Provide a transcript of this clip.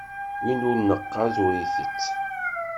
Win ur neqqaz ur itett.